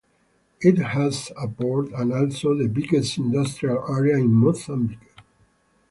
It has a port and also the biggest industrial area in Mozambique.